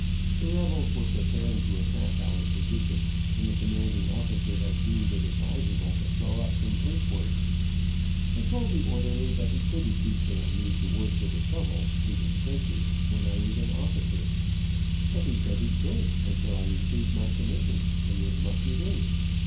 The rebels were preparing to attack our position, and the commanding officer had deemed it advisable to throw up some earthworks. I told the orderly that he couldn't detail me to work with a shovel, digging trenches, when I was an officer, but he said he could, until I received my commission and was mustered in.